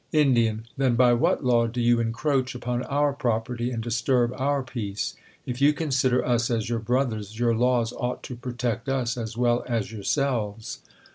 Ind, Then by what law do you encroach upon our property, and disturb oui peace ? If you consider us as your brothers, your lav/s ought to protect us as well as yourselves.